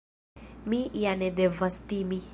Mi ja ne devas timi.